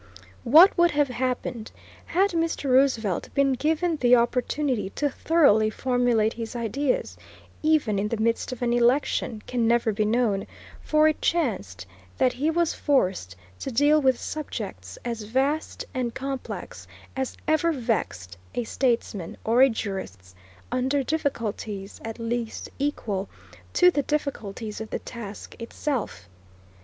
What would have happened had Mr. Roosevelt been given the opportunity to thoroughly formulate his ideas, even in the midst of an election, can never be known, for it chanced that he was forced to deal with subjects as vast and complex as ever vexed a statesman or a jurist, under difficulties at least equal to the difficulties of the task itself.